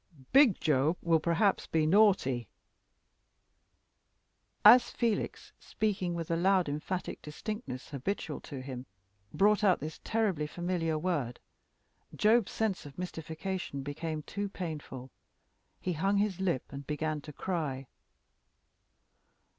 Big Job will perhaps be naughty " As Felix, speaking with the loud emphatic distinctness habitual to him, brought out this terribly familiar word, Job's sense of mystification became too painful: he hung his lip and began to cry.